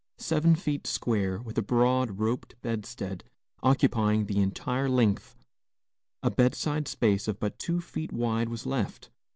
Seven feet square, with a broad, roped bedstead occupying the entire length, a bedside space of but two feet wide was left.